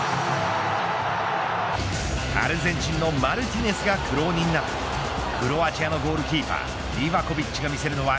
アルゼンチンのマルティネスが苦労人ならクロアチアのゴールキーパーリヴァコヴィッチが見せるのは